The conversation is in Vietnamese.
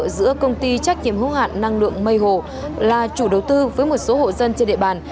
giữa công ty trách nhiệm hữu hạn năng lượng mây hồ là chủ đầu tư với một số hộ dân trên địa bàn